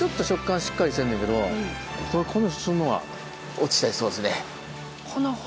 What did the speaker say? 落ちちゃいそうですね。